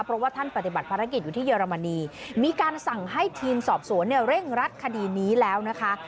เพราะว่าท่านปฏิบัติภารกิจอยู่ที่เยอรมนีมีการสั่งให้ทีมสอบสวนเนี่ยเร่งรัดคดีนี้แล้วนะคะ